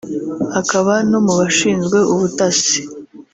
akaba no mu bashinzwe ubutasi